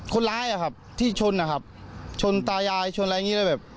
คนร้ายอ่ะครับที่ชนนะครับชนตายายชนอะไรอย่างงี้แล้วแบบ